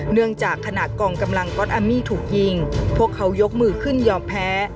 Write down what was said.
เนื่องจากขณะกองกำลังก๊อตแอมมี่ถูกยิงพวกเขายกมือขึ้นยอมแพ้